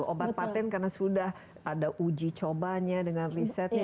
obat patent karena sudah ada uji cobanya dengan risetnya